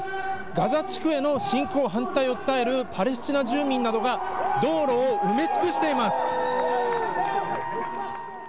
ガザ地区への侵攻反対を訴えるパレスチナ住民などが、道路を埋め尽くしています。